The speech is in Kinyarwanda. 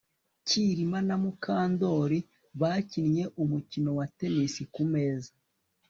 Kirima na Mukandoli bakinnye umukino wa tennis kumeza